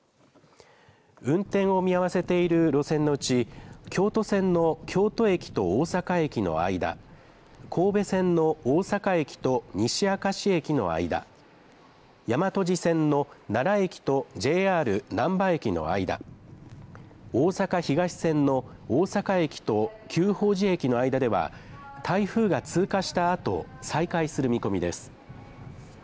運転を見合わせている路線のうち京都線の京都駅と大阪駅の間、神戸線の大阪駅と西明石駅の間、大和路線の奈良駅とＪＲ難波駅の間、おおさか東線の大阪駅と久宝寺駅の間では台風が通過したあと、再開する見込みです。